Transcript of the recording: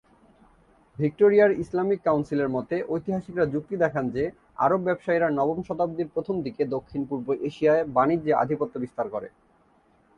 ভিক্টোরিয়ার ইসলামিক কাউন্সিলের মতে, ঐতিহাসিকরা যুক্তি দেখান যে আরব ব্যবসায়ীরা নবম শতাব্দীর প্রথম দিকে দক্ষিণ-পূর্ব এশিয়ায় বাণিজ্যে আধিপত্য বিস্তার করে।